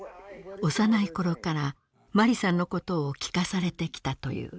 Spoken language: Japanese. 幼い頃からマリさんのことを聞かされてきたという。